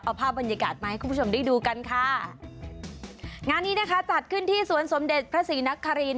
เอาภาพบรรยากาศมาให้คุณผู้ชมได้ดูกันค่ะงานนี้นะคะจัดขึ้นที่สวนสมเด็จพระศรีนคริน